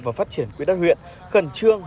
và phát triển quỹ đất huyện khẩn trương